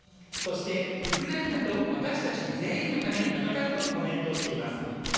そしてウクライナと私たち全員のために戦うとコメントしています。